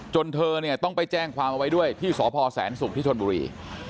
เธอเนี่ยต้องไปแจ้งความเอาไว้ด้วยที่สพแสนศุกร์ที่ชนบุรี